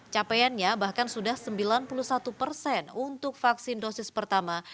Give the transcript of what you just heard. capaiannya bahkan sudah sembilan puluh satu persen untuk vaksin dosis pertama